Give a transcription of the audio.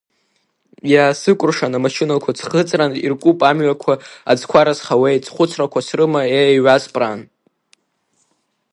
Иаасыкәршан амашьынақәа ӡхыҵран иркуп амҩақәа, аӡқәа рызҳауеит, схәыцрақәа срыма, ее, иҩаҵԥраан.